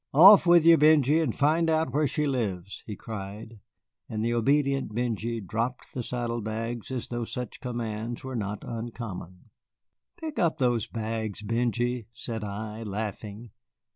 Off with you, Benjy, and find out where she lives," he cried; and the obedient Benjy dropped the saddle bags as though such commands were not uncommon. "Pick up those bags, Benjy," said I, laughing.